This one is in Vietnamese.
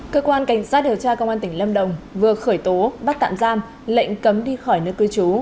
cơ quan cảnh sát điều tra công an tỉnh lâm đồng vừa khởi tố bắt tạm giam lệnh cấm đi khỏi nơi cư trú